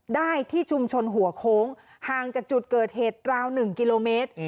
ได้ที่ชุมชนหัวโค้งห่างจากจุดเกิดเหตุราว๑กิโลเมตร